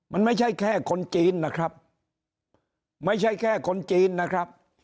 มันไม่ใช่แค่คนจีนนะครับไม่ใช่แค่คนจีนนะครับ